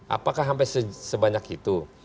apakah sampai sebanyak itu